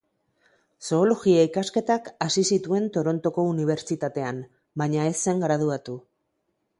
Zoologia ikasketak hasi zituen Torontoko Unibertsitatean, baina ez zen graduatu.